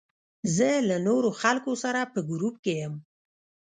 زه له نورو خلکو سره په ګروپ کې یم.